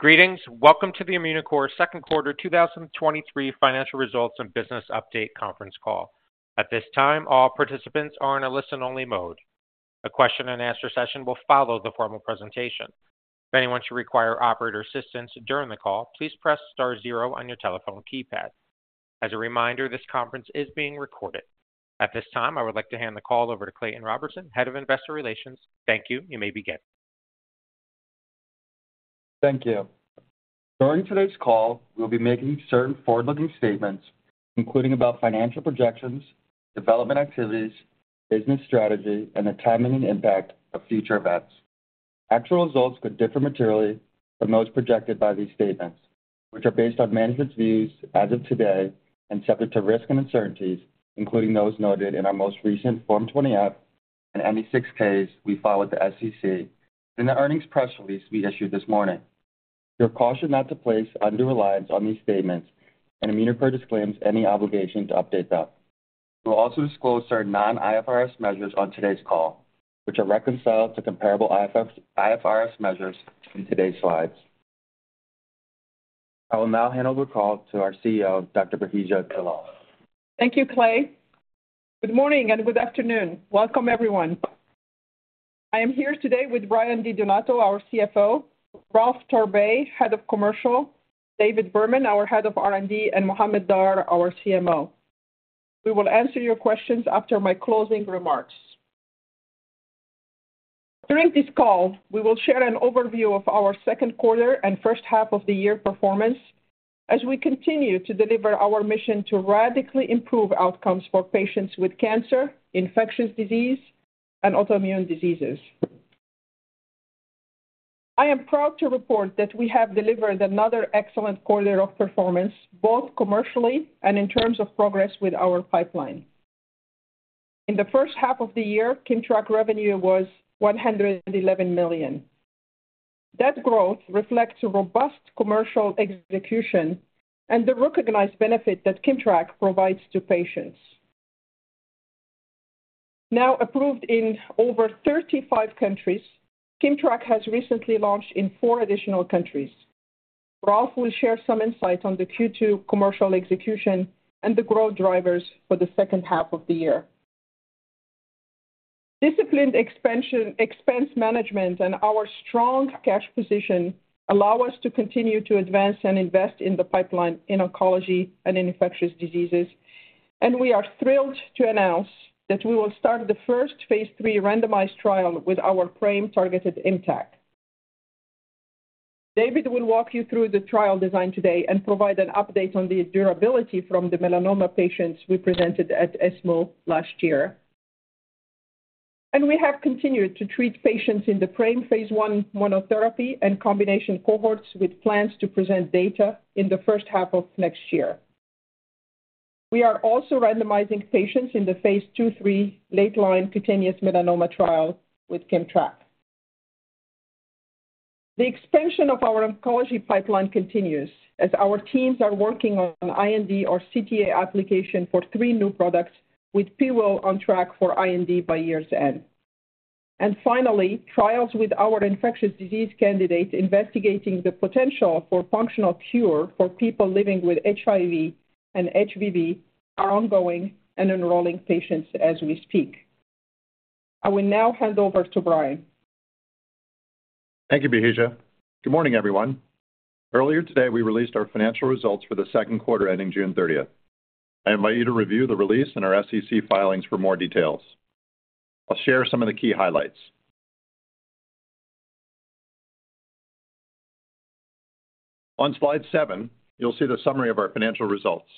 Greetings. Welcome to the Immunocore Second Quarter 2023 Financial Results and Business Update Conference Call. At this time, all participants are in a listen-only mode. A question and answer session will follow the formal presentation. If anyone should require operator assistance during the call, please press star zero on your telephone keypad. As a reminder, this conference is being recorded. At this time, I would like to hand the call over to Clayton Robertson, Head of Investor Relations. Thank you. You may begin. Thank you. During today's call, we'll be making certain forward-looking statements, including about financial projections, development activities, business strategy, and the timing and impact of future events. Actual results could differ materially from those projected by these statements, which are based on management's views as of today and subject to risks and uncertainties, including those noted in our most recent Form 20-F and Form 6-K we filed with the SEC, and the earnings press release we issued this morning. You are cautioned not to place undue reliance on these statements, and Immunocore disclaims any obligation to update them. We'll also disclose our non-IFRS measures on today's call, which are reconciled to comparable IFRS measures in today's slides. I will now hand over the call to our CEO, Dr. Bahija Jallal. Thank you, Clay. Good morning and good afternoon. Welcome, everyone. I am here today with Brian Di Donato, our CFO, Ralph Torbay, Head of Commercial, David Berman, our Head of R&D, and Mohammed Dar, our CMO. We will answer your questions after my closing remarks. During this call, we will share an overview of our second quarter and first half of the year performance as we continue to deliver our mission to radically improve outcomes for patients with cancer, infectious disease, and autoimmune diseases. I am proud to report that we have delivered another excellent quarter of performance, both commercially and in terms of progress with our pipeline. In the first half of the year, KIMMTRAK revenue was $111 million. That growth reflects a robust commercial execution and the recognized benefit that KIMMTRAK provides to patients. Now approved in over 35 countries, KIMMTRAK has recently launched in four additional countries. Ralph will share some insights on the Q2 commercial execution and the growth drivers for the second half of the year. Disciplined expansion, expense management, and our strong cash position allow us to continue to advance and invest in the pipeline in oncology and infectious diseases. We are thrilled to announce that we will start the first phase III randomized trial with our PRAME-targeted ImmTAC. David will walk you through the trial design today and provide an update on the durability from the melanoma patients we presented at ESMO last year. We have continued to treat patients in the PRAME phase I monotherapy and combination cohorts with plans to present data in the first half of next year. We are also randomizing patients in the phase II/III late-line cutaneous melanoma trial with KIMMTRAK. The expansion of our oncology pipeline continues as our teams are working on IND or CTA application for three new products, with IMC-P1156 on track for IND by year's end. Finally, trials with our infectious disease candidates investigating the potential for functional cure for people living with HIV and HBV are ongoing and enrolling patients as we speak. I will now hand over to Brian. Thank you, Bahija. Good morning, everyone. Earlier today, we released our financial results for the second quarter ending June thirtieth. I invite you to review the release and our SEC filings for more details. I'll share some of the key highlights. On slide seven, you'll see the summary of our financial results.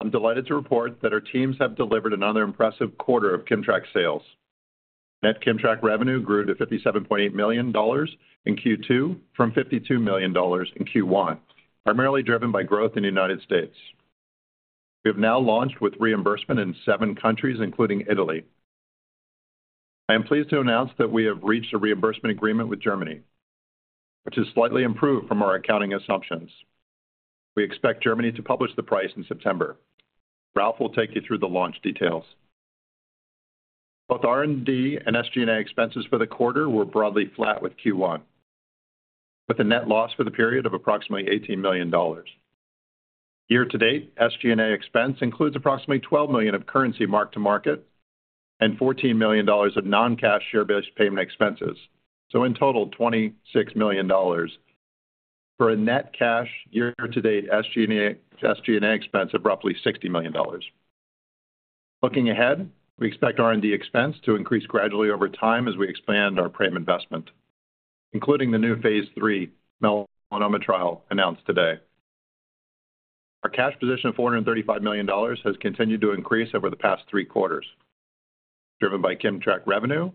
I'm delighted to report that our teams have delivered another impressive quarter of KIMMTRAK sales. Net KIMMTRAK revenue grew to $57.8 million in Q2 from $52 million in Q1, primarily driven by growth in the United States. We have now launched with reimbursement in seven countries, including Italy. I am pleased to announce that we have reached a reimbursement agreement with Germany, which is slightly improved from our accounting assumptions. We expect Germany to publish the price in September. Ralph will take you through the launch details. Both R&D and SG&A expenses for the quarter were broadly flat with Q1, with a net loss for the period of approximately $18 million. Year to date, SG&A expense includes approximately $12 million of currency mark to market and $14 million of non-cash share-based payment expenses, in total, $26 million, for a net cash year to date SG&A, SG&A expense of roughly $60 million. Looking ahead, we expect R&D expense to increase gradually over time as we expand our PRAME investment, including the new phase III melanoma trial announced today. Our cash position of $435 million has continued to increase over the past three quarters, driven by KIMMTRAK revenue,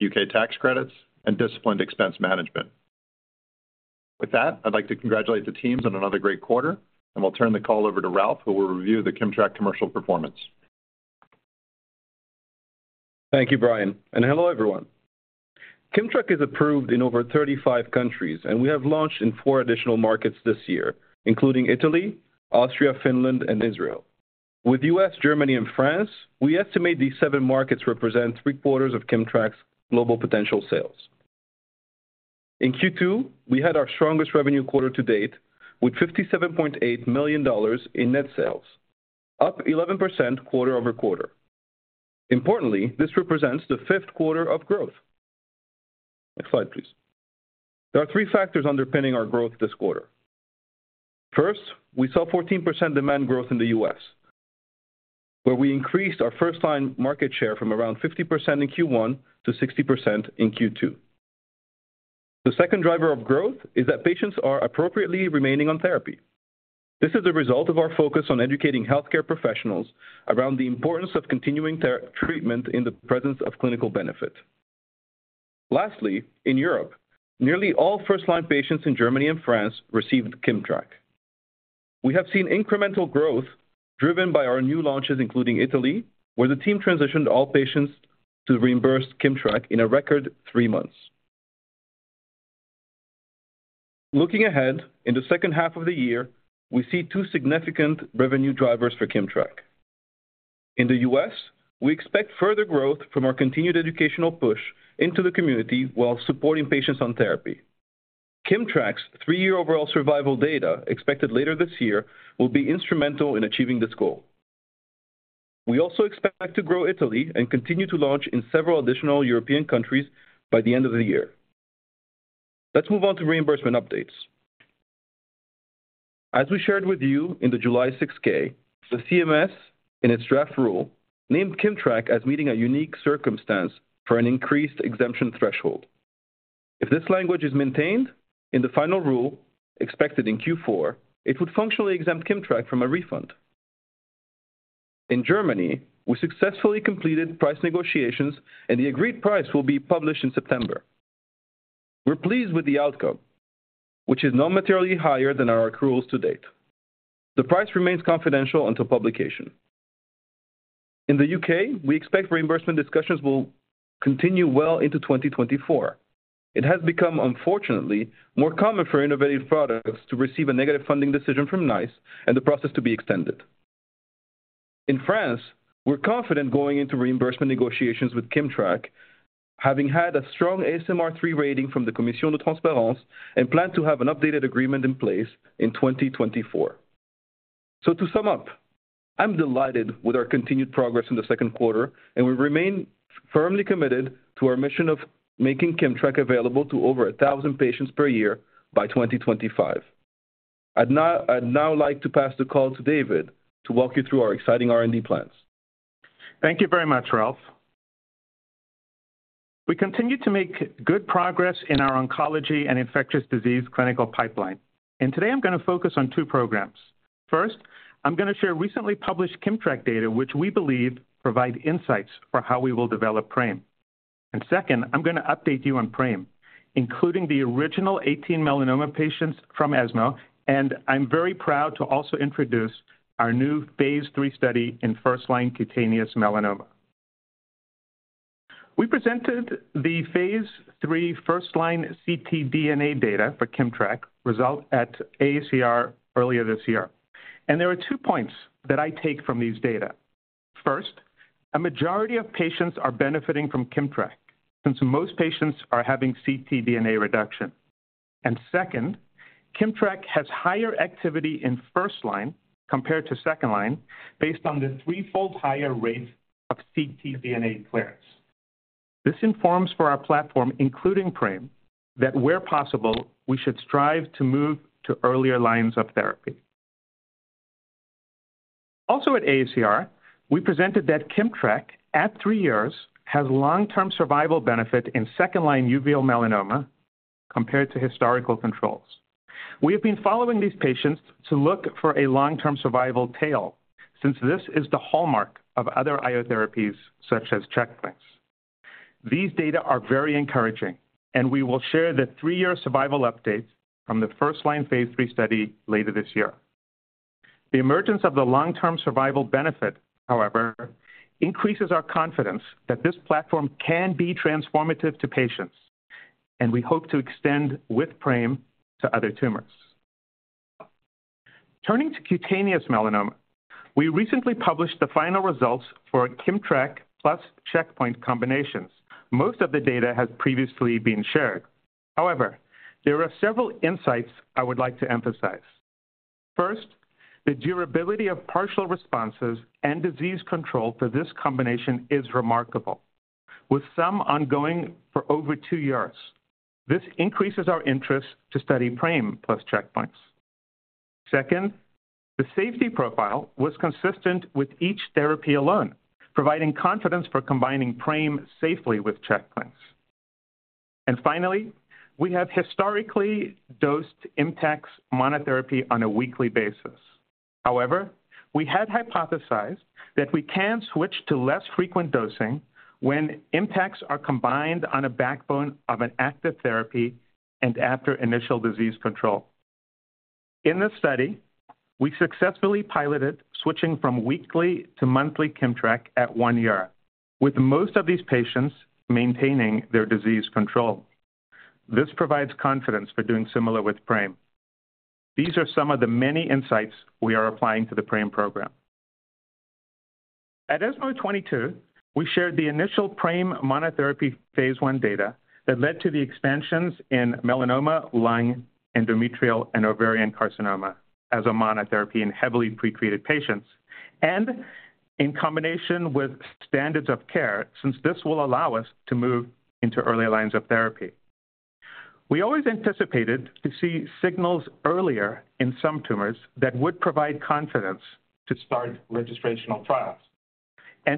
U.K. tax credits, and disciplined expense management. With that, I'd like to congratulate the teams on another great quarter, and we'll turn the call over to Ralph, who will review the KIMMTRAK commercial performance. Thank you, Brian, and hello, everyone. KIMMTRAK is approved in over 35 countries, and we have launched in four additional markets this year, including Italy, Austria, Finland, and Israel. With U.S., Germany, and France, we estimate these seven markets represent three-quarters of KIMMTRAK's global potential sales. In Q2, we had our strongest revenue quarter to date, with $57.8 million in net sales, up 11% quarter-over-quarter. Importantly, this represents the fifth quarter of growth. Next slide, please. There are three factors underpinning our growth this quarter. First, we saw 14% demand growth in the U.S., where we increased our first-line market share from around 50% in Q1 to 60% in Q2. The second driver of growth is that patients are appropriately remaining on therapy. This is a result of our focus on educating healthcare professionals around the importance of continuing their treatment in the presence of clinical benefit. Lastly, in Europe, nearly all first-line patients in Germany and France received Kimmtrak. We have seen incremental growth driven by our new launches, including Italy, where the team transitioned all patients to reimburse Kimmtrak in a record three months. Looking ahead, in the second half of the year, we see two significant revenue drivers for Kimmtrak. In the U.S., we expect further growth from our continued educational push into the community while supporting patients on therapy. Kimmtrak's three year overall survival data, expected later this year, will be instrumental in achieving this goal. We also expect to grow Italy and continue to launch in several additional European countries by the end of the year. Let's move on to reimbursement updates. As we shared with you in the July 6-K, the CMS, in its draft rule, named KIMMTRAK as meeting a unique circumstance for an increased exemption threshold. If this language is maintained in the final rule, expected in Q4, it would functionally exempt KIMMTRAK from a refund. In Germany, we successfully completed price negotiations, and the agreed price will be published in September. We're pleased with the outcome, which is not materially higher than our accruals to date. The price remains confidential until publication. In the U.K., we expect reimbursement discussions will continue well into 2024. It has become, unfortunately, more common for innovative products to receive a negative funding decision from NICE and the process to be extended. In France, we're confident going into reimbursement negotiations with KIMMTRAK, having had a strong ASMR III rating from the Commission de la Transparence, and plan to have an updated agreement in place in 2024. To sum up, I'm delighted with our continued progress in the second quarter, and we remain firmly committed to our mission of making KIMMTRAK available to over 1,000 patients per year by 2025. I'd now like to pass the call to David to walk you through our exciting R&D plans. Thank you very much, Ralph. We continue to make good progress in our oncology and infectious disease clinical pipeline, and today I'm going to focus on two programs. First, I'm going to share recently published KIMMTRAK data, which we believe provide insights for how we will develop PRAME. Second, I'm going to update you on PRAME, including the original 18 melanoma patients from ESMO, and I'm very proud to also introduce our new phase III study in first-line cutaneous melanoma. We presented the phase III first-line ctDNA data for KIMMTRAK result at AACR earlier this year, and there are two points that I take from these data. First, a majority of patients are benefiting from KIMMTRAK, since most patients are having ctDNA reduction. Second, KIMMTRAK has higher activity in first-line compared to second-line, based on the 3-fold higher rate of ctDNA clearance. This informs for our platform, including PRAME, that where possible, we should strive to move to earlier lines of therapy. Also at AACR, we presented that KIMMTRAK, at III years, has long-term survival benefit in second-line uveal melanoma compared to historical controls. We have been following these patients to look for a long-term survival tail, since this is the hallmark of other IO therapies such as checkpoints. These data are very encouraging, and we will share the three year survival updates from the first-line phase III study later this year. The emergence of the long-term survival benefit, however, increases our confidence that this platform can be transformative to patients, and we hope to extend with PRAME to other tumors. Turning to cutaneous melanoma, we recently published the final results for KIMMTRAK plus checkpoint combinations. Most of the data has previously been shared. However, there are several insights I would like to emphasize. First, the durability of partial responses and disease control for this combination is remarkable, with some ongoing for over two years. This increases our interest to study PRAME plus checkpoints. Second, the safety profile was consistent with each therapy alone, providing confidence for combining PRAME safely with checkpoints. Finally, we have historically dosed ImmTAC monotherapy on a weekly basis. However, we had hypothesized that we can switch to less frequent dosing when ImmTACs are combined on a backbone of an active therapy and after initial disease control. In this study, we successfully piloted switching from weekly to monthly Kimmtrak at one year, with most of these patients maintaining their disease control. This provides confidence for doing similar with PRAME. These are some of the many insights we are applying to the PRAME program. At ESMO 2022, we shared the initial PRAME monotherapy phase I data that led to the expansions in melanoma, lung, endometrial, and ovarian carcinoma as a monotherapy in heavily pretreated patients, and in combination with standards of care, since this will allow us to move into early lines of therapy. We always anticipated to see signals earlier in some tumors that would provide confidence to start registrational trials.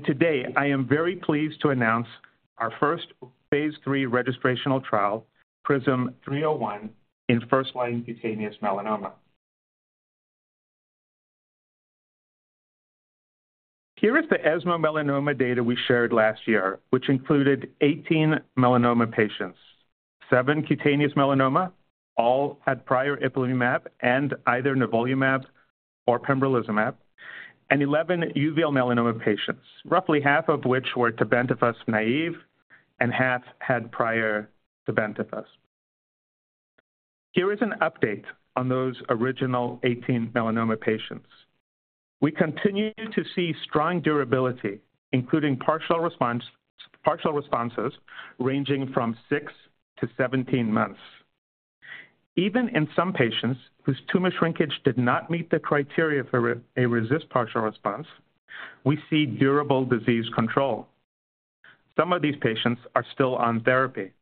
Today, I am very pleased to announce our first phase III registrational trial, PRISM-301, in first-line cutaneous melanoma. Here is the ESMO melanoma data we shared last year, which included 18 melanoma patients. Seven cutaneous melanoma, all had prior ipilimumab and either nivolumab or pembrolizumab, and 11 uveal melanoma patients, roughly half of which were dabrafenib naive and half had prior dabrafenib. Here is an update on those original 18 melanoma patients. We continue to see strong durability, including partial response, partial responses ranging from 6-17 months. Even in some patients whose tumor shrinkage did not meet the criteria for a RECIST partial response, we see durable disease control. Some of these patients are still on therapy.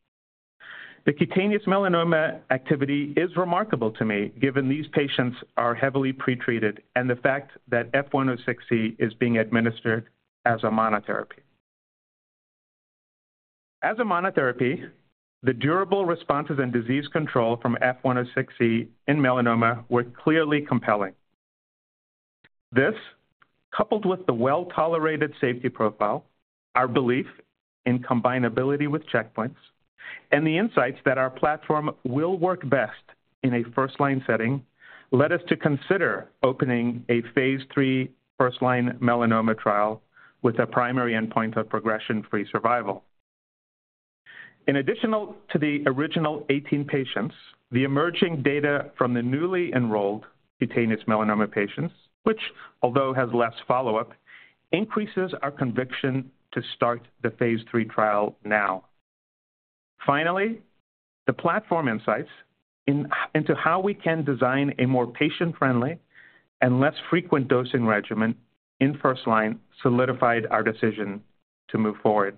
The cutaneous melanoma activity is remarkable to me, given these patients are heavily pretreated and the fact that IMC-F106C is being administered as a monotherapy. As a monotherapy, the durable responses and disease control from IMC-F106C in melanoma were clearly compelling. This, coupled with the well-tolerated safety profile, our belief in combinability with checkpoints, and the insights that our platform will work best in a first-line setting, led us to consider opening a phase III first-line melanoma trial with a primary endpoint of progression-free survival. In addition to the original 18 patients, the emerging data from the newly enrolled cutaneous melanoma patients, which although has less follow-up, increases our conviction to start the phase III trial now. Finally, the platform insights into how we can design a more patient-friendly and less frequent dosing regimen in first line solidified our decision to move forward.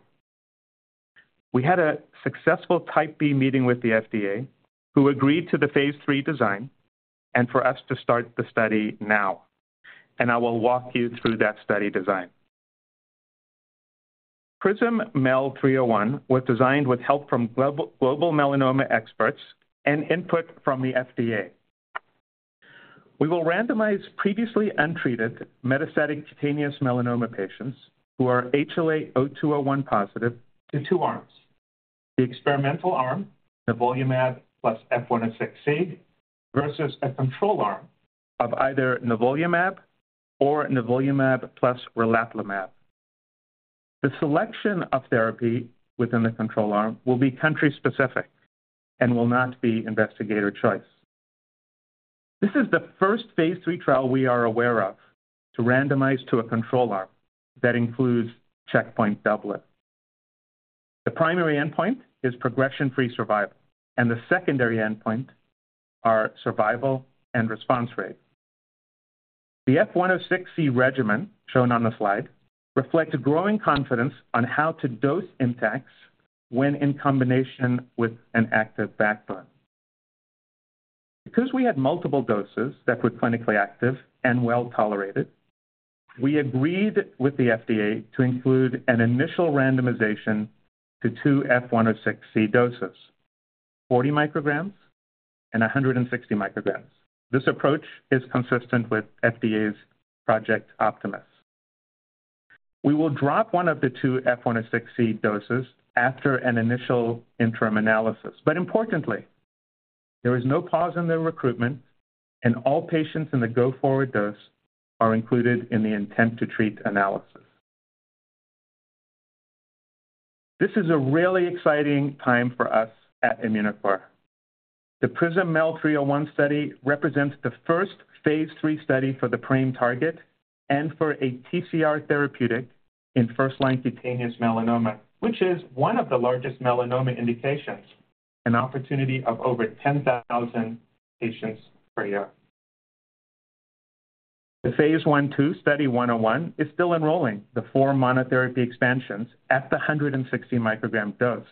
We had a successful Type B meeting with the FDA, who agreed to the phase III design and for us to start the study now, and I will walk you through that study design. PRISM-MEL-301 was designed with help from global melanoma experts and input from the FDA. We will randomize previously untreated metastatic cutaneous melanoma patients who are HLA-A*02:01 positive to 2 arms: the experimental arm, nivolumab plus IMC-F106C, versus a control arm of either nivolumab or nivolumab plus relatlimab. The selection of therapy within the control arm will be country-specific and will not be investigator choice. This is the first phase III trial we are aware of to randomize to a control arm that includes checkpoint doublet. The primary endpoint is progression-free survival, the secondary endpoint are survival and response rate. The IMC-F106C regimen, shown on the slide, reflects a growing confidence on how to dose impacts when in combination with an active backbone. We had multiple doses that were clinically active and well-tolerated, we agreed with the FDA to include an initial randomization to 2 IMC-F106C doses, 40 micrograms and 160 micrograms. This approach is consistent with FDA's Project Optimus. We will drop one of the 2 IMC-F106C doses after an initial interim analysis. Importantly, there is no pause in the recruitment, and all patients in the go-forward dose are included in the intent-to-treat analysis. This is a really exciting time for us at Immunocore. The PRISM-MEL-301 study represents the first phase III study for the PRAME target and for a TCR therapeutic in first-line cutaneous melanoma, which is one of the largest melanoma indications, an opportunity of over 10,000 patients per year. The Phase 1/2 study 101 is still enrolling the four monotherapy expansions at the 160 microgram dose,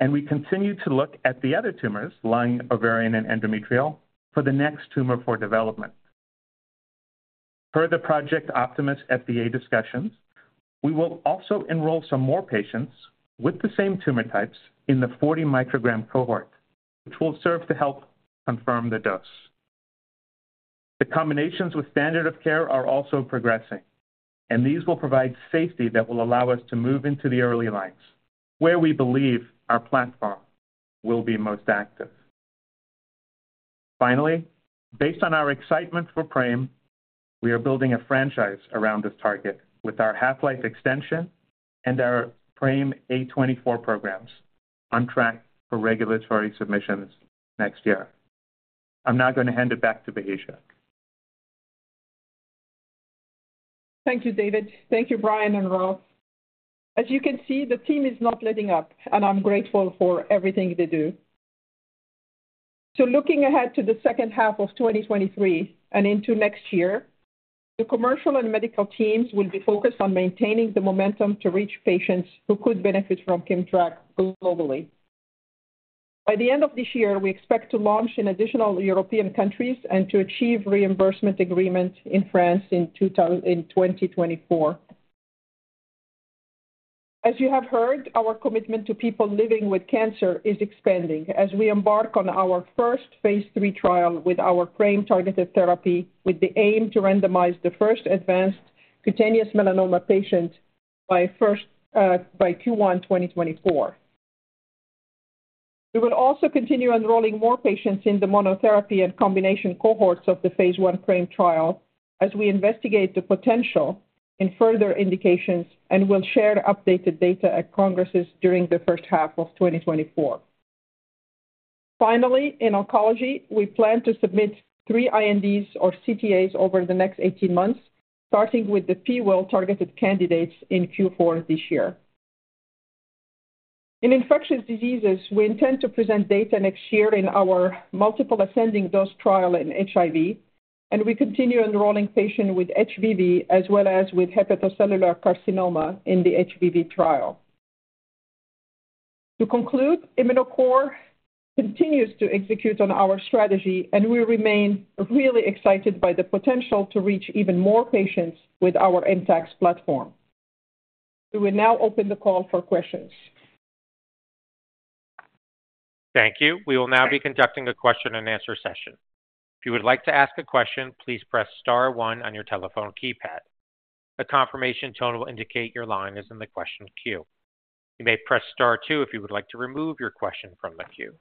and we continue to look at the other tumors, lung, ovarian, and endometrial, for the next tumor for development. Per the Project Optimus FDA discussions, we will also enroll some more patients with the same tumor types in the 40 microgram cohort, which will serve to help confirm the dose. The combinations with standard of care are also progressing, and these will provide safety that will allow us to move into the early lines, where we believe our platform will be most active. Finally, based on our excitement for PRAME, we are building a franchise around this target with our half-life extension and our PRAME-A24 programs on track for regulatory submissions next year. I'm now going to hand it back to Bahija. Thank you, David. Thank you, Brian and Ralph. As you can see, the team is not letting up, and I'm grateful for everything they do. Looking ahead to the second half of 2023 and into next year, the commercial and medical teams will be focused on maintaining the momentum to reach patients who could benefit from KIMMTRAK globally. By the end of this year, we expect to launch in additional European countries and to achieve reimbursement agreement in France in 2024. As you have heard, our commitment to people living with cancer is expanding as we embark on our first Phase III trial with our PRAME-targeted therapy, with the aim to randomize the first advanced cutaneous melanoma patient by first, by Q1, 2024. We will also continue enrolling more patients in the monotherapy and combination cohorts of the phase I PRAME trial as we investigate the potential in further indications. We'll share updated data at congresses during the first half of 2024. Finally, in oncology, we plan to submit three INDs or CTAs over the next 18 months, starting with the PRAME-targeted candidates in Q4 this year. In infectious diseases, we intend to present data next year in our multiple ascending dose trial in HIV. We continue enrolling patients with HBV as well as with hepatocellular carcinoma in the HBV trial. To conclude, Immunocore continues to execute on our strategy. We remain really excited by the potential to reach even more patients with our ImmTAC platform. We will now open the call for questions. Thank you. We will now be conducting a question and answer session. If you would like to ask a question, please press star one on your telephone keypad. A confirmation tone will indicate your line is in the question queue. You may press star two if you would like to remove your question from the queue.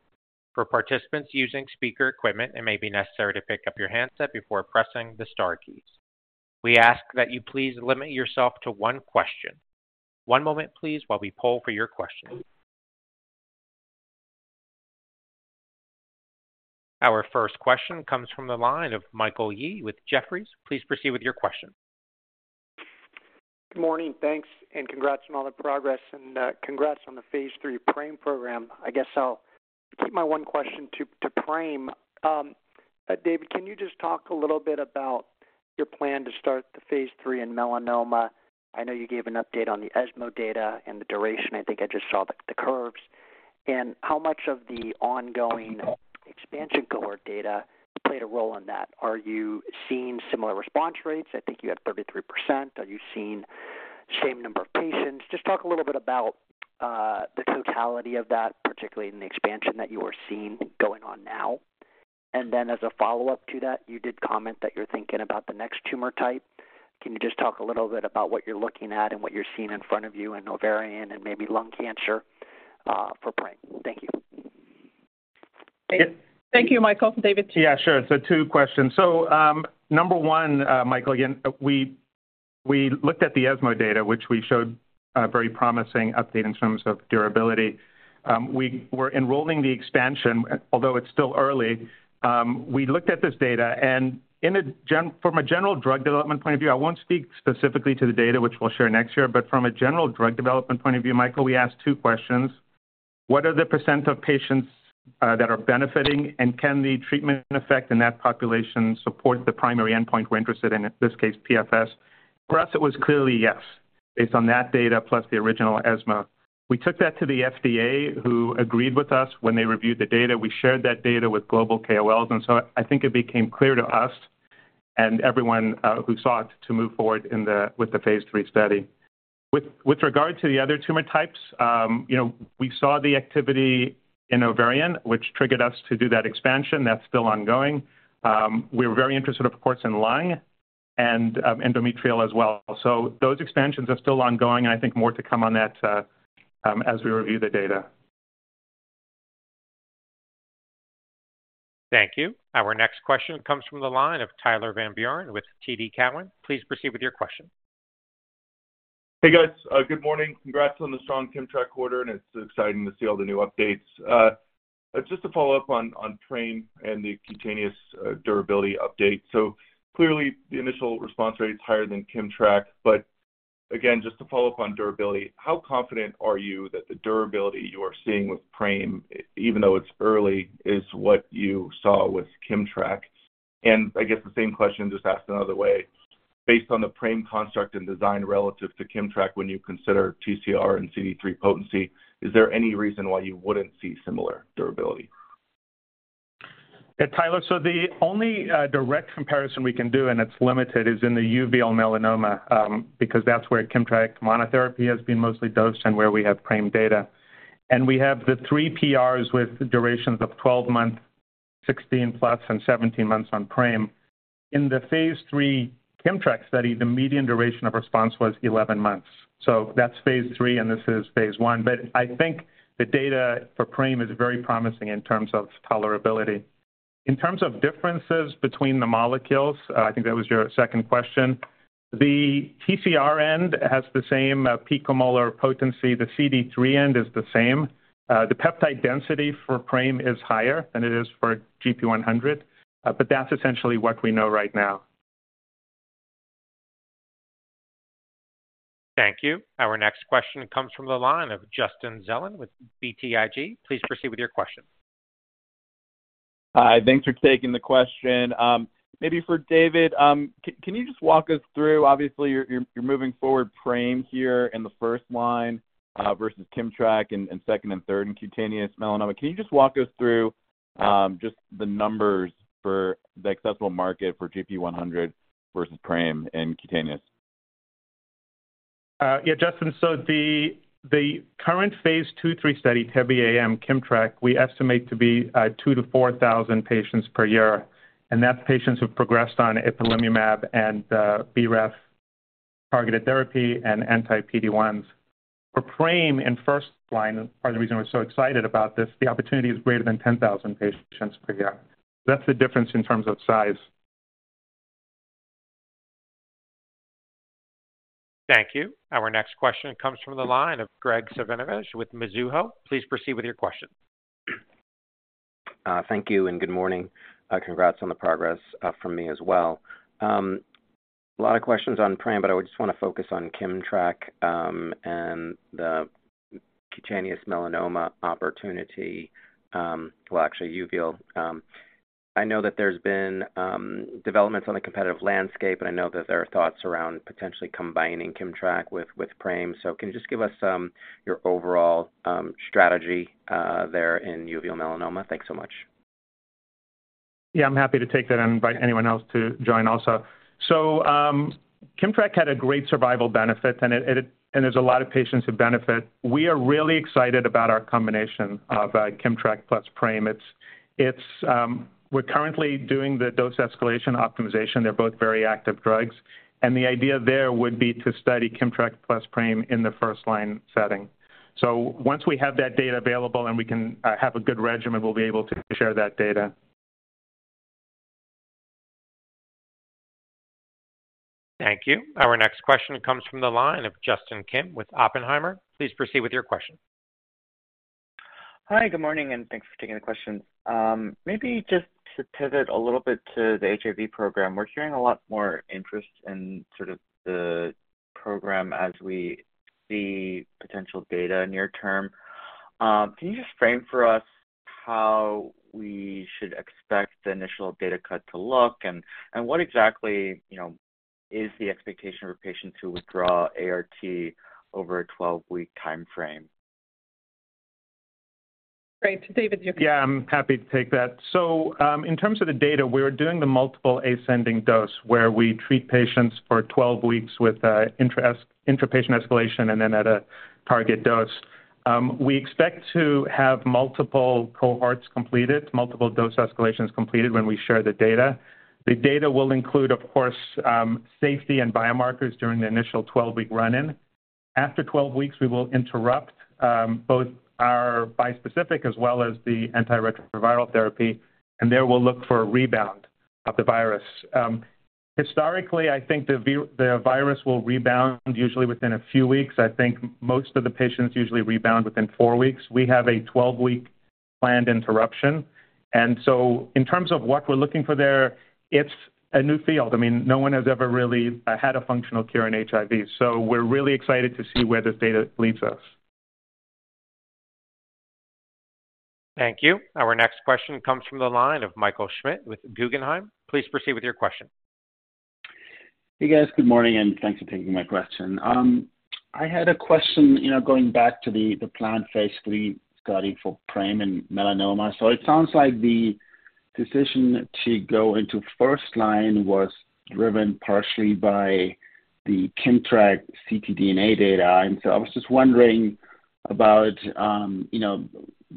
For participants using speaker equipment, it may be necessary to pick up your handset before pressing the star keys. We ask that you please limit yourself to one question. One moment, please, while we poll for your question. Our first question comes from the line of Michael Yee with Jefferies. Please proceed with your question. Good morning, thanks, and congrats on all the progress, and congrats on the phase III PRAME program. I guess I'll keep my one question to PRAME. David, can you just talk a little bit about your plan to start the phase III in melanoma? I know you gave an update on the ESMO data and the duration. I think I just saw the curves. How much of the ongoing expansion cohort data played a role in that? Are you seeing similar response rates? I think you had 33%. Are you seeing the same number of patients? Just talk a little bit about the totality of that, particularly in the expansion that you are seeing going on now. Then as a follow-up to that, you did comment that you're thinking about the next tumor type. Can you just talk a little bit about what you're looking at and what you're seeing in front of you in ovarian and maybe lung cancer, for PRAME? Thank you. Thank you, Michael. David? Yeah, sure. Two questions. Number one, Michael, again, we, we looked at the ESMO data, which we showed a very promising update in terms of durability. We were enrolling the expansion, although it's still early. We looked at this data, and from a general drug development point of view, I won't speak specifically to the data, which we'll share next year, but from a general drug development point of view, Michael, we asked two questions: What are the % of patients that are benefiting, and can the treatment effect in that population support the primary endpoint we're interested in, in this case, PFS? For us, it was clearly yes, based on that data plus the original ESMO. We took that to the FDA, who agreed with us when they reviewed the data. We shared that data with global KOLs. I think it became clear to us and everyone who sought to move forward with the phase III study. With regard to the other tumor types, you know, we saw the activity in ovarian, which triggered us to do that expansion. That's still ongoing. We were very interested, of course, in lung and endometrial as well. Those expansions are still ongoing, and I think more to come on that as we review the data. Thank you. Our next question comes from the line of Tyler Van Buren with TD Cowen. Please proceed with your question. Hey, guys. Good morning. Congrats on the strong KIMMTRAK quarter, and it's exciting to see all the new updates. Just to follow up on PRAME and the cutaneous durability update. Clearly, the initial response rate is higher than KIMMTRAK, but again, just to follow up on durability, how confident are you that the durability you are seeing with PRAME, even though it's early, is what you saw with KIMMTRAK? I guess the same question, just asked another way, based on the PRAME construct and design relative to KIMMTRAK, when you consider TCR and CD3 potency, is there any reason why you wouldn't see similar durability? Yeah, Tyler, so the only direct comparison we can do, and it's limited, is in the uveal melanoma, because that's where KIMMTRAK monotherapy has been mostly dosed and where we have PRAME data. We have the 3 PRs with durations of 12 months, 16+, and 17 months on PRAME. In the phase III KIMMTRAK study, the median duration of response was 11 months. That's phase III, and this is phase I. I think the data for PRAME is very promising in terms of tolerability. In terms of differences between the molecules, I think that was your second question. The TCR end has the same picomolar potency. The CD3 end is the same. The peptide density for PRAME is higher than it is for gp100, but that's essentially what we know right now. Thank you. Our next question comes from the line of Justin Zelin with BTIG. Please proceed with your question. Hi. Thanks for taking the question. maybe for David, can you just walk us through-- Obviously, you're moving forward PRAME here in the first line, versus KIMMTRAK in, in second and third in cutaneous melanoma. Can you just walk us through, just the numbers for the accessible market for gp100 versus PRAME in cutaneous? Yeah, Justin. The current phase 2/3 study, TEBE-AM KIMMTRAK, we estimate to be 2,000-4,000 patients per year, and that's patients who've progressed on ipilimumab and BRAF-targeted therapy and anti-PD-1s. For PRAME in first line, part of the reason we're so excited about this, the opportunity is greater than 10,000 patients per year. That's the difference in terms of size. Thank you. Our next question comes from the line of Graig Suvannavejh with Mizuho. Please proceed with your question. Thank you, good morning. Congrats on the progress from me as well. A lot of questions on PRAME, I just want to focus on KIMMTRAK and the cutaneous melanoma opportunity, well, actually, uveal. I know that there's been developments on the competitive landscape, and I know that there are thoughts around potentially combining KIMMTRAK with PRAME. Can you just give us your overall strategy there in uveal melanoma? Thanks so much. Yeah, I'm happy to take that and invite anyone else to join also. KIMMTRAK had a great survival benefit, and it, it, and there's a lot of patients who benefit. We are really excited about our combination of KIMMTRAK plus PRAME. It's, it's, we're currently doing the dose escalation optimization. They're both very active drugs, and the idea there would be to study KIMMTRAK plus PRAME in the first-line setting. Once we have that data available and we can have a good regimen, we'll be able to share that data. Thank you. Our next question comes from the line of Justin Kim with Oppenheimer. Please proceed with your question. Hi, good morning, and thanks for taking the question. Maybe just to pivot a little bit to the HIV program, we're hearing a lot more interest in sort of the program as we see potential data near term. Can you just frame for us how we should expect the initial data cut to look, and what exactly, you know, is the expectation for patients who withdraw ART over a 12-week time frame? Great. David, you can- Yeah, I'm happy to take that. In terms of the data, we're doing the multiple ascending dose, where we treat patients for 12 weeks with intrapatient escalation and then at a target dose. We expect to have multiple cohorts completed, multiple dose escalations completed when we share the data. The data will include, of course, safety and biomarkers during the initial 12-week run-in. After 12 weeks, we will interrupt both our bispecific as well as the antiretroviral therapy, and there we'll look for a rebound of the virus. Historically, I think the virus will rebound usually within a few weeks. I think most of the patients usually rebound within four weeks. We have a 12-week planned interruption, in terms of what we're looking for there, it's a new field. I mean, no one has ever really had a functional cure in HIV, so we're really excited to see where this data leads us. Thank you. Our next question comes from the line of Michael Schmidt with Guggenheim. Please proceed with your question. Hey, guys. Good morning, and thanks for taking my question. I had a question, you know, going back to the, the planned phase III study for PRAME and melanoma. It sounds like the decision to go into first-line was driven partially by the KIMMTRAK ctDNA data. I was just wondering about, you know,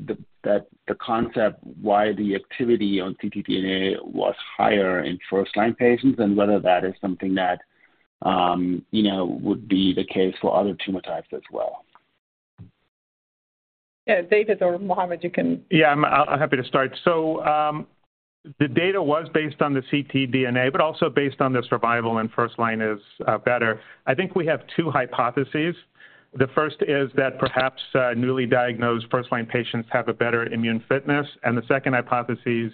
the, the, the concept, why the activity on ctDNA was higher in first-line patients and whether that is something that, you know, would be the case for other tumor types as well. Yeah, David or Mohammed, you can- Yeah, I'm, I'm happy to start. The data was based on the ctDNA, but also based on the survival, and first line is better. I think we have two hypotheses. The first is that perhaps, newly diagnosed first-line patients have a better immune fitness, and the second hypothesis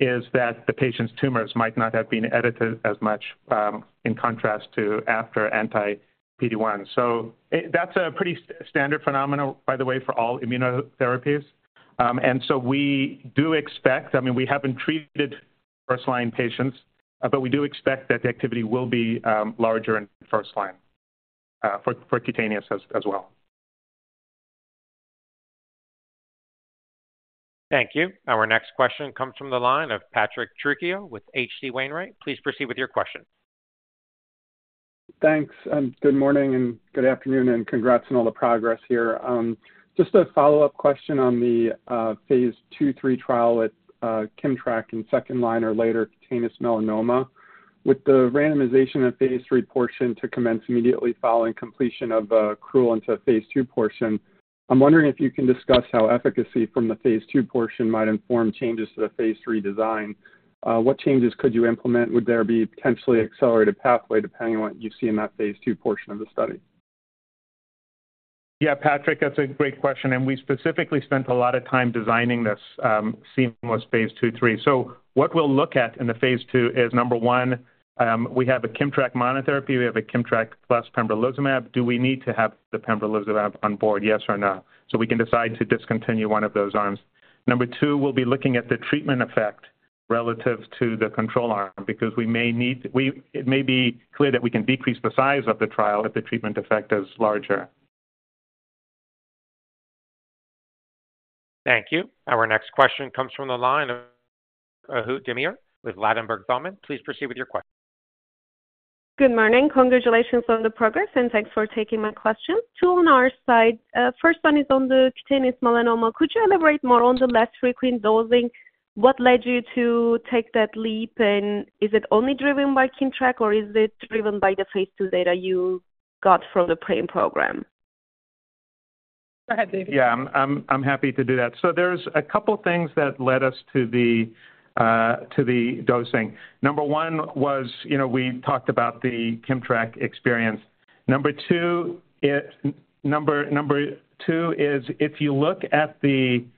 is that the patient's tumors might not have been edited as much, in contrast to after anti-PD-1. That's a pretty standard phenomenon, by the way, for all immunotherapies. We do expect, I mean, we haven't treated first-line patients, but we do expect that the activity will be larger in first line, for cutaneous as well. Thank you. Our next question comes from the line of Patrick Trucchio with H.C. Wainwright. Please proceed with your question. Thanks, and good morning, and good afternoon, and congrats on all the progress here. Just a follow-up question on the phase II/III trial with Kimmtrak in second line or later cutaneous melanoma. With the randomization of phase III portion to commence immediately following completion of accrual into phase II portion, I'm wondering if you can discuss how efficacy from the phase II portion might inform changes to the phase III design. What changes could you implement? Would there be potentially accelerated pathway depending on what you see in that phase II portion of the study? Yeah, Patrick, that's a great question. We specifically spent a lot of time designing this seamless phase II, III. What we'll look at in the phase II is, number 1, we have a KIMMTRAK monotherapy, we have a KIMMTRAK plus pembrolizumab. Do we need to have the pembrolizumab on board, yes or no? We can decide to discontinue one of those arms. Number 2, we'll be looking at the treatment effect relative to the control arm because we may need, it may be clear that we can decrease the size of the trial if the treatment effect is larger. Thank you. Our next question comes from the line of Ahu Demir with Ladenburg Thalmann. Please proceed with your question. Good morning. Congratulations on the progress, and thanks for taking my question. Two on our side. First one is on the cutaneous melanoma. Could you elaborate more on the less frequent dosing? What led you to take that leap, and is it only driven by KIMMTRAK, or is it driven by the phase II data you got from the PRAME program? Go ahead, David. Yeah, I'm happy to do that. There's a couple things that led us to the dosing. Number 1 was, you know, we talked about the KIMMTRAK experience. Number 2 is if you look at the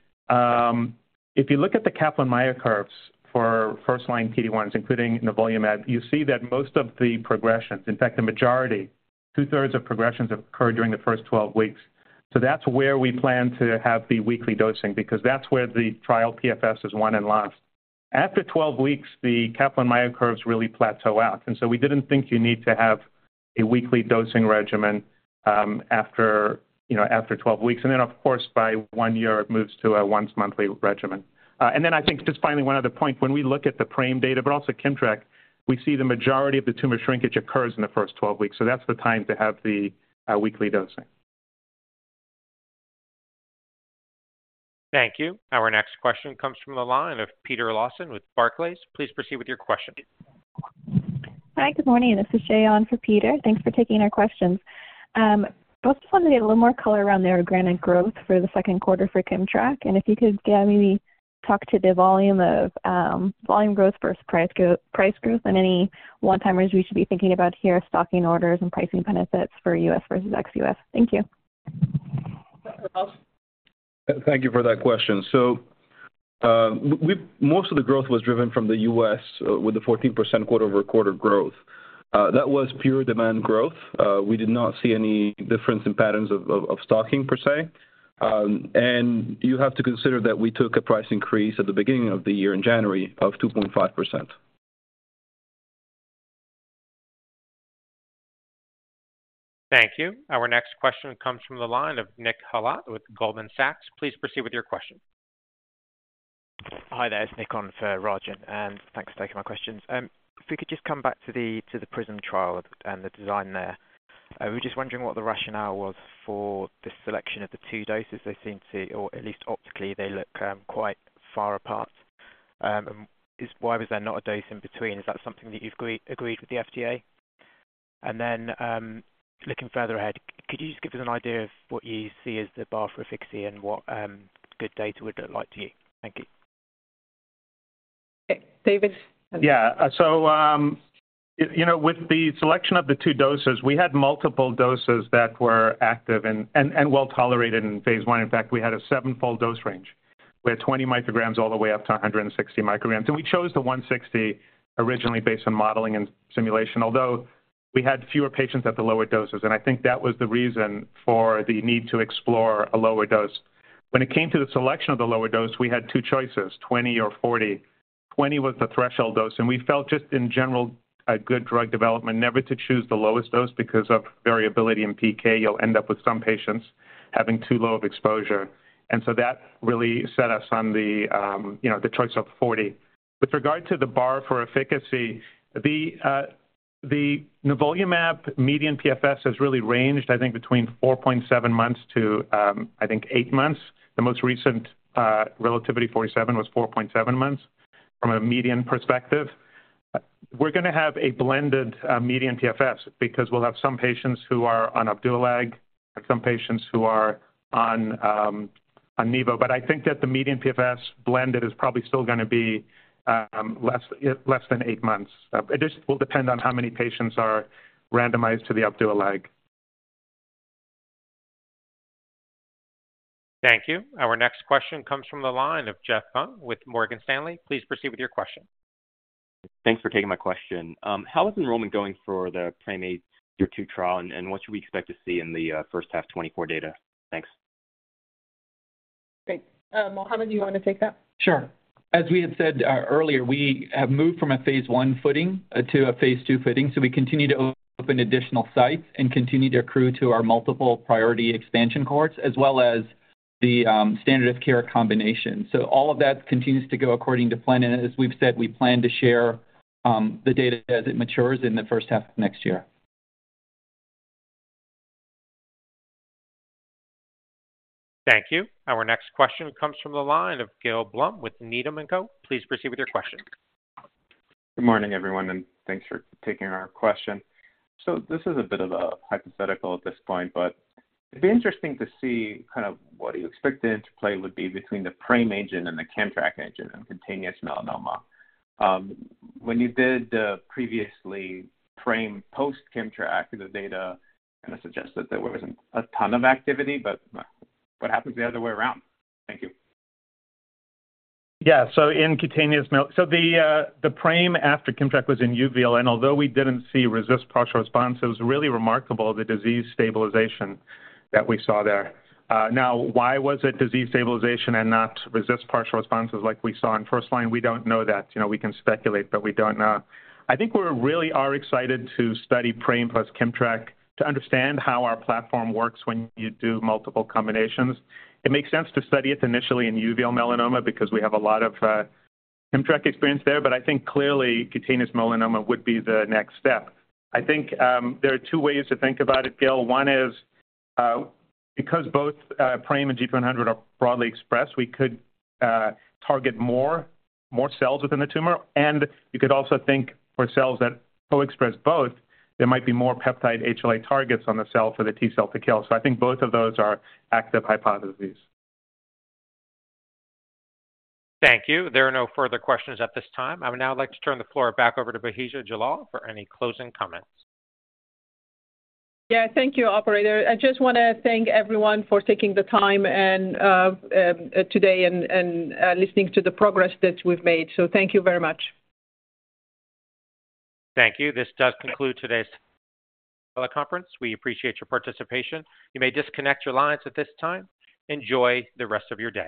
Kaplan-Meier curves for first-line PD-1s, including nivolumab, you see that most of the progressions, in fact, the majority, 2/3 of progressions occur during the first 12 weeks. That's where we plan to have the weekly dosing, because that's where the trial PFS is won and lost. After 12 weeks, the Kaplan-Meier curves really plateau out, so we didn't think you need to have a weekly dosing regimen, after, you know, after 12 weeks. Then, of course, by one year, it moves to a once monthly regimen. Then I think, just finally, one other point, when we look at the PRAME data, but also KIMMTRAK, we see the majority of the tumor shrinkage occurs in the first 12 weeks, that's the time to have the weekly dosing. Thank you. Our next question comes from the line of Peter Lawson with Barclays. Please proceed with your question. Hi, good morning. This is Jay on for Peter. Thanks for taking our questions. I just wanted to get a little more color around the organic growth for the second quarter for KIMMTRAK, and if you could maybe talk to the volume of volume growth versus price growth and any one-timers we should be thinking about here, stocking orders and pricing benefits for U.S. versus ex-U.S. Thank you. Thank you for that question. Most of the growth was driven from the U.S. with the 14% quarter-over-quarter growth. That was pure demand growth. We did not see any difference in patterns of stocking per se. You have to consider that we took a price increase at the beginning of the year in January of 2.5%. Thank you. Our next question comes from the line of Nick Halter with Goldman Sachs. Please proceed with your question. Hi there, it's Nick on for Rajan. Thanks for taking my questions. If we could just come back to the PRISM trial and the design there. I was just wondering what the rationale was for the selection of the two doses. They seem to, or at least optically, they look quite far apart. Is why was there not a dose in between? Is that something that you've agreed with the FDA? Looking further ahead, could you just give us an idea of what you see as the bar for efficacy and what good data would look like to you? Thank you. Okay, David? Yeah, so, you know, with the selection of the two doses, we had multiple doses that were active and, and, and well tolerated in phase I. In fact, we had a 7-fold dose range. We had 20 micrograms all the way up to 160 micrograms, and we chose the 160 originally based on modeling and simulation, although we had fewer patients at the lower doses. I think that was the reason for the need to explore a lower dose. When it came to the selection of the lower dose, we had two choices, 20 or 40. 20 was the threshold dose, and we felt just in general, a good drug development, never to choose the lowest dose because of variability in PK, you'll end up with some patients having too low of exposure. That really set us on the, you know, the choice of 40. With regard to the bar for efficacy, the nivolumab median PFS has really ranged, I think, between 4.7 months to, I think eight months. The most recent RELATIVITY-047 was 4.7 months from a median perspective. We're gonna have a blended median PFS because we'll have some patients who are on Opdualag, some patients who are on nivo. I think that the median PFS blended is probably still gonna be less, less than eight months. It just will depend on how many patients are randomized to the Opdualag. Thank you. Our next question comes from the line of Jeff Hung with Morgan Stanley. Please proceed with your question. Thanks for taking my question. How is enrollment going for the PRAME ACT II trial, and what should we expect to see in the first half 2024 data? Thanks. Great. Mohammed, do you want to take that? Sure. As we had said, earlier, we have moved from a phase I footing, to a phase II footing, so we continue to open additional sites and continue to accrue to our multiple priority expansion cohorts, as well as...... the standard of care combination. All of that continues to go according to plan, and as we've said, we plan to share, the data as it matures in the first half of next year. Thank you. Our next question comes from the line of Gil Blum with Needham & Company. Please proceed with your question. Good morning, everyone, thanks for taking our question. This is a bit of a hypothetical at this point, but it'd be interesting to see kind of what you expected interplay would be between the PRAME agent and the KIMMTRAK agent in cutaneous melanoma. When you did the previously PRAME post KIMMTRAK, the data kind of suggested there wasn't a ton of activity, but what happens the other way around? Thank you. In cutaneous mel-- so the, the PRAME after KIMMTRAK was in uveal melanoma, although we didn't see RECIST partial response, it was really remarkable the disease stabilization that we saw there. Now, why was it disease stabilization and not RECIST partial responses like we saw in first line? We don't know that. You know, we can speculate, we don't know. I think we're really are excited to study PRAME plus KIMMTRAK to understand how our platform works when you do multiple combinations. It makes sense to study it initially in uveal melanoma because we have a lot of, KIMMTRAK experience there, I think clearly cutaneous melanoma would be the next step. I think, there are two ways to think about it, Gil. One is, because both PRAME and gp100 are broadly expressed, we could target more, more cells within the tumor, and you could also think for cells that co-express both, there might be more peptide-HLA targets on the cell for the T cell to kill. I think both of those are active hypotheses. Thank you. There are no further questions at this time. I would now like to turn the floor back over to Bahija Jallal for any closing comments. Yeah, thank you, operator. I just want to thank everyone for taking the time and today and listening to the progress that we've made. Thank you very much. Thank you. This does conclude today's conference. We appreciate your participation. You may disconnect your lines at this time. Enjoy the rest of your day.